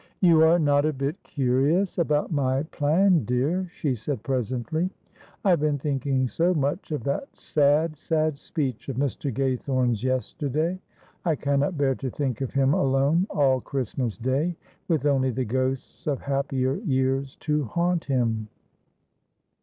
"You are not a bit curious about my plan, dear," she said presently. "I have been thinking so much of that sad, sad speech of Mr. Gaythorne's yesterday. I cannot bear to think of him alone all Christmas Day, with only the ghosts of happier years to haunt him."